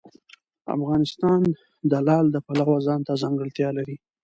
افغانستان د لعل د پلوه ځانته ځانګړتیا لري.